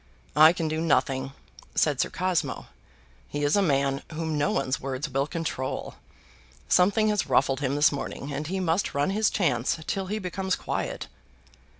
"I can do nothing," said Sir Cosmo. "He is a man whom no one's words will control. Something has ruffled him this morning, and he must run his chance till he becomes quiet."